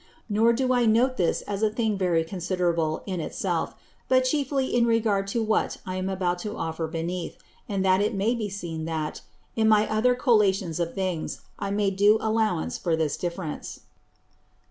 Nor do I note this as a thing very considerable in it self, but chiefly in regard to what I am about to offer beneath; and that it may be seen that, in my other Collations of Things, I made due Allowance for this Difference.